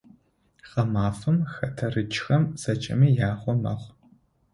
Гъэмафэм хэтэрыкӀхэм зэкӀэми ягъо мэхъу.